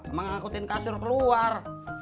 emang ngakutin kasur keluar